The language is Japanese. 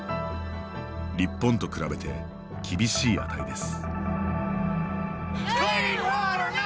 日本と比べて厳しい値です。